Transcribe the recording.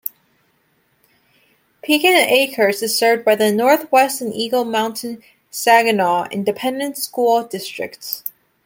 Pecan Acres is served by the Northwest and Eagle Mountain-Saginaw Independent School Districts.